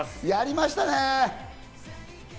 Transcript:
やりましたね。